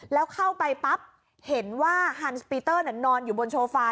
แล้วเข้าไปปั๊บเห็นว่าฮันสปีเตอร์นอนอยู่บนโซฟา